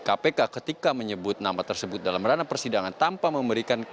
kpk ketika menyebut nama tersebut dalam ranah persidangan tanpa memberikan